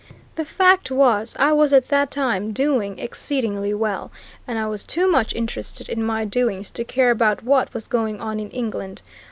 The fact was, I was at that time doing exceedingly well, and I was too much interested in my doings to care about what was going on in England.